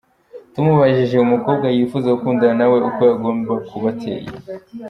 Tumubajije umukobwa yifuza gukundana nawe uko agomba kuba ateye.